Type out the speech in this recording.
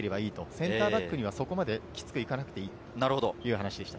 センターバックにはそこまできつくいかなくていいという話でした。